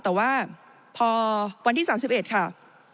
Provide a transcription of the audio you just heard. แต่ว่าพอวันที่๓๑ค่ะ